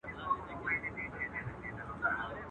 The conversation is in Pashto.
مرگ هم ډيرو ته پرده ده.